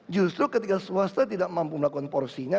justru ketika swasta tidak mampu melakukan porsinya